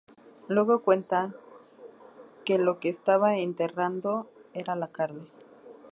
Luego cuenta que lo que estaba enterrando era la carne.